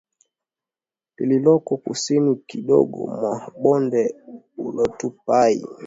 lililoko kusini kidogo mwa bonde Oltupai